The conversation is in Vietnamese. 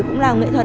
cũng làm nghệ thuật